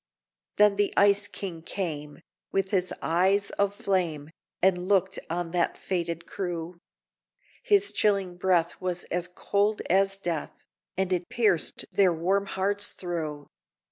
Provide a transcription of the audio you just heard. Then the Ice King came, with his eyes of flame, And looked on that fated crew; His chilling breath was as cold as death, And it pierced their warm hearts through!